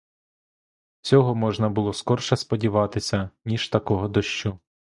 Всього можна було скорше сподіватися, ніж такого дощу.